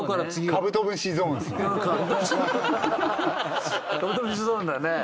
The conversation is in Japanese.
カブトムシゾーンだね。